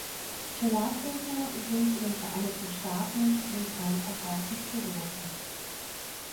Chelatbildner sind in den Vereinigten Staaten für den freien Verkauf nicht zugelassen.